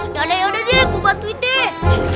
yaudah deh aku bantuin deh